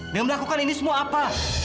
dia melakukan ini semua apa